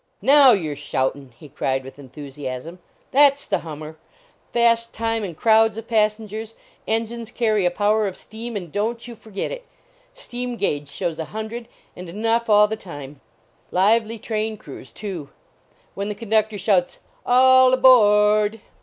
" Now you re shoutin !" he cried with en thusiasm; " that s the hummer ! Fast time and crowds of passengers ! Engines carry a power of steam, and don t you forget it. Steam gauge shows a hundred and enough all the time. Lively train crews, too. When the conductor shouts All a b o a r d